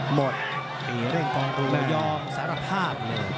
หมดเดี๋ยวเริ่มต้องรู้แล้วยอมสารภาพเลยครับเนี่ย